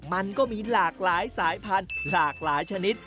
มันก็มีหลากหลายสายพันธุ์หลากหลายชนิด